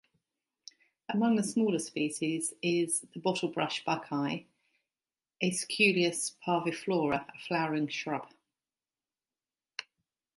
Among the smaller species is the bottlebrush buckeye, "Aesculus parviflora", a flowering shrub.